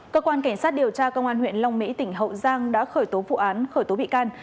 cơ quan cảnh sát điều tra công an huyện long mỹ tỉnh hậu giang đã khởi tố vụ án khởi tố bị can